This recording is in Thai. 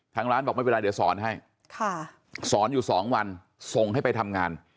ทางร้านบอกไม่เป็นไรเดี๋ยวสอนให้สอนอยู่๒วันส่งให้ไปทำงาน